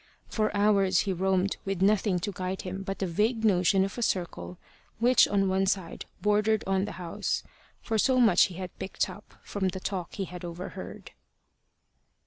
For hours he roamed with nothing to guide him but the vague notion of a circle which on one side bordered on the house, for so much had he picked up from the talk he had overheard.